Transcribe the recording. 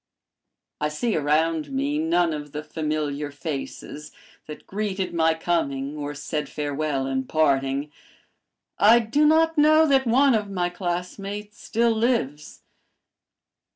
"I see around me none of the familiar faces that greeted my coming or said farewell in parting. I do not know that one of my classmates still lives.